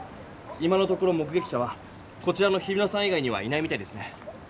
今のところ目げき者はこちらの日比野さん以外にはいないみたいですね。